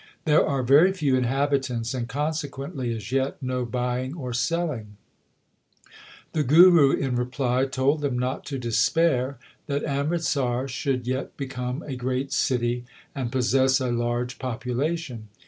There are very few inhabitants, and consequently as yet no buying or selling/ The Guru in reply told them not to despair, that Amritsar should yet become a great city and possess a large population.